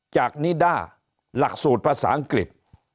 จากนิด้าหลักสูตรภาษาอังกฤษ